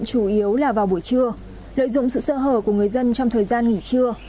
chủ yếu là vào buổi trưa lợi dụng sự sơ hở của người dân trong thời gian nghỉ trưa